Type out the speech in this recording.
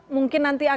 mungkin nanti akan ada